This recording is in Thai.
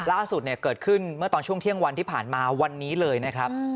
ล่าสุดเกิดขึ้นเมื่อตอนช่วงเที่ยงวันที่ผ่านมาวันนี้เลยนะครับ